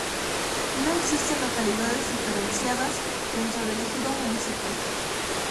No existen localidades diferenciadas dentro del ejido municipal.